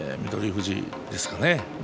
富士ですかね